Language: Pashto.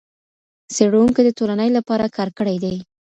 څېړونکو د ټولني لپاره کار کړئ دئ.